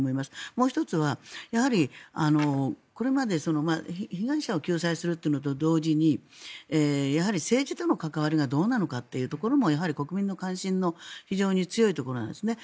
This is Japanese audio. もう１つはやはり、これまで被害者を救済するのと同時にやはり政治との関わりがどうなのかというところもやはり国民の関心の非常に強いところなんですね。